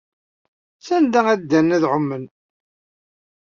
Sanda ay ddan ad ɛumen?